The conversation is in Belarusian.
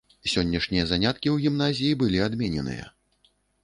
Сённяшнія заняткі ў гімназіі былі адмененыя.